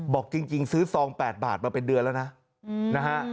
บอกจริงซื้อซอง๘บาทมาเป็นเดือนแล้วนะนะฮะ